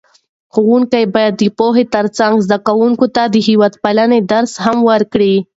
ښوونکي باید د پوهې ترڅنګ زده کوونکو ته د هېوادپالنې درس هم ورکړي.